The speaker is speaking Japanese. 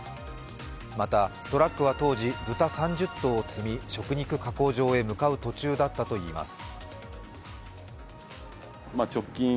また、トラックは当時豚３０頭を積み食肉加工場へ向かう途中だったといいます。